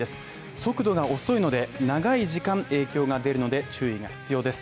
速度が遅いので、長い時間影響が出るので、注意が必要です。